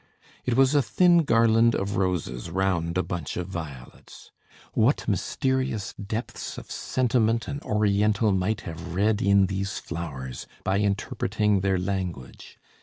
It was a thin garland of roses round a bunch of violets. What mysterious depths of sentiment an Oriental might have read in these flowers, by interpreting their language!